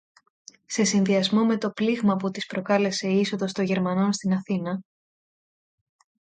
σε συνδυασμό με το πλήγμα που της προκάλεσε η είσοδος των γερμανών στην Αθήνα